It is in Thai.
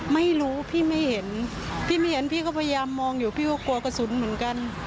ไม่รู้พี่ไม่เห็นพี่ไม่เห็นพี่ก็พยายามมองอยู่พี่ก็กลัวกระสุนเหมือนกัน